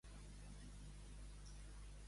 Quins motius ha donat JxCat per la seva votació?